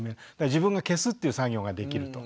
自分が消すっていう作業ができると。